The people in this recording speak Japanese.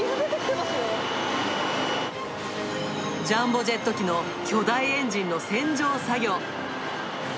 ジャンボジェット機の巨大エンジンの洗浄作業。